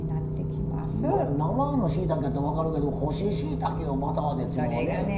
生のしいたけやったら分かるけど干ししいたけをバターでというのはね。